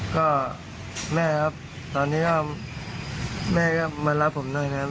ก็แม่ครับตอนนี้ก็แม่ก็มารับผมหน่อยครับ